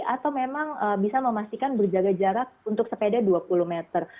atau memang bisa memastikan berjaga jarak untuk sepeda dua puluh meter